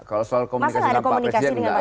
kalau soal komunikasi dengan pak presiden enggak lah